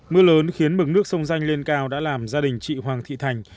mưa lớn khiến mực nước sông danh lên cao đã làm gia đình chị hoàng thị thành